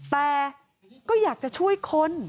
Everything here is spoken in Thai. แต่ก็อยากจะช่วยคน